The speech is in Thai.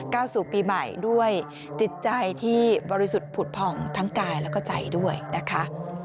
ก้าวสู่ปีใหม่ด้วยจิตใจที่บริสุทธิ์ผุดผ่องทั้งกายแล้วก็ใจด้วยนะคะ